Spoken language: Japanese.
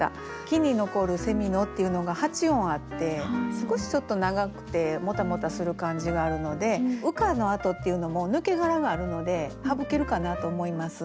「木に残る蝉の」っていうのが８音あって少しちょっと長くてもたもたする感じがあるので「羽化のあと」っていうのも「抜け殻」があるので省けるかなと思います。